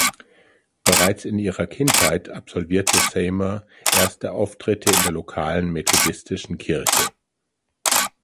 Bereits in ihrer Kindheit absolvierte Seymour erste Auftritte in der lokalen methodistischen Kirche.